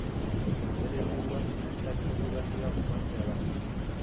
Bere helburua finantza espekulazioa mugatzea da.